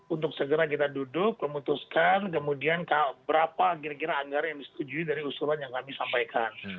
untuk segera kita duduk memutuskan kemudian berapa kira kira anggaran yang disetujui dari usulan yang kami sampaikan